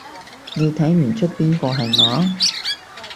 你睇唔岀邊個係我？